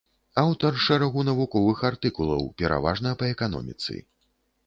Аўтар шэрагу навуковых артыкулаў, пераважна па эканоміцы.